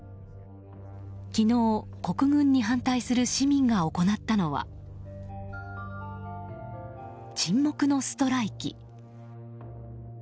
昨日、国軍に反対する市民が行ったのは沈黙のストライキ。